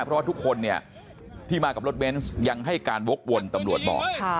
เพราะว่าทุกคนเนี่ยที่มากับรถเบนส์ยังให้การวกวนตำรวจบอก